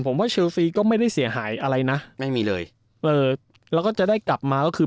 ผมว่าเชลซีก็ไม่ได้เสียหายอะไรนะไม่มีเลยเออแล้วก็จะได้กลับมาก็คือ